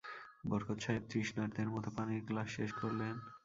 বরকত সাহেব তৃষ্ণার্তের মতো পানির গ্লাস শেষ করলেন।